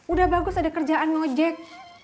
udah bagus ada kerjaan ngojek